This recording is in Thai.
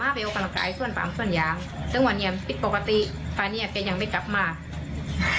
เมื่อคืนนี้ก็ต้องยุติการค้นหาชั่วคราวไปก่อนนะครับ